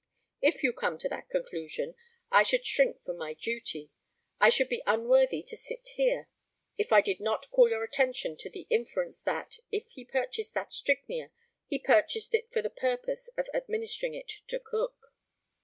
If you come to that conclusion, I should shrink from my duty, I should be unworthy to sit here, if I did not call your attention to the inference that, if he purchased that strychnia, he purchased it for the purpose of administering it to Cook.